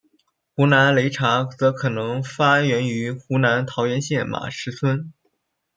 湖南擂茶则可能发源于湖南桃源县马石村。